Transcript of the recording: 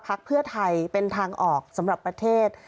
พักเพื่อไทยเป็นทางออกสำหรับประเทศ